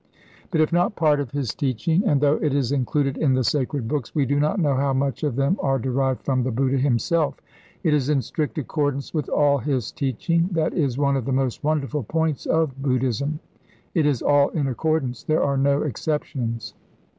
But if not part of his teaching and though it is included in the sacred books, we do not know how much of them are derived from the Buddha himself it is in strict accordance with all his teaching. That is one of the most wonderful points of Buddhism, it is all in accordance; there are no exceptions.